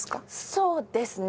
そうですね。